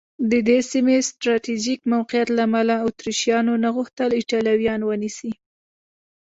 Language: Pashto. د دې سیمې د سټراټېژیک موقعیت له امله اتریشیانو نه غوښتل ایټالویان ونیسي.